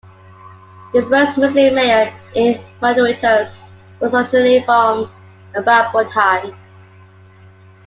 The first Muslim mayor in Mauritius was originally from Barbodhan.